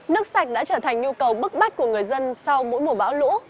nước sạch đã trở thành nhu cầu bức bách của người dân sau mỗi mùa bão lũ